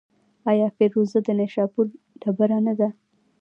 آیا فیروزه د نیشاپور ډبره نه ده؟